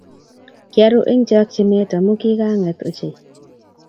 kyaruu eng chakchinet amu kigangeet ochei